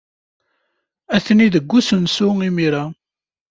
Atni deg usensu imir-a.